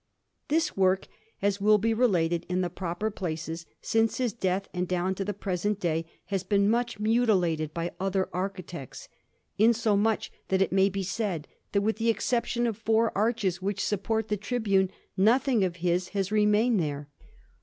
This work, as will be related in the proper places, since his death and down to the present day, has been much mutilated by other architects, insomuch that it may be said that with the exception of four arches which support the tribune, nothing of his has remained there.